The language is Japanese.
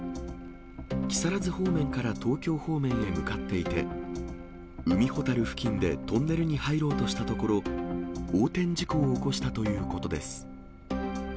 木更津方面から東京方面へ向かっていて、海ほたる付近でトンネルに入ろうとしたところ、横転事故を起こしたということです。